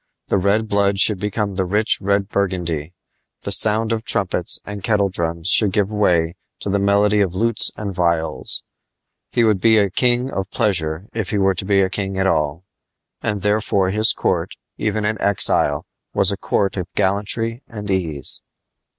The red blood should become the rich red burgundy; the sound of trumpets and kettledrums should give way to the melody of lutes and viols. He would be a king of pleasure if he were to be king at all. And therefore his court, even in exile, was a court of gallantry and ease.